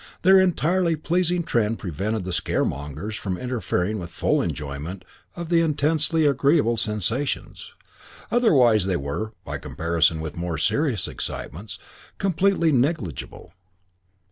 Their entirely pleasing trend prevented the scaremongers from interfering with full enjoyment of the intensely agreeable sensations; otherwise they were, by comparison with more serious excitements, completely negligible.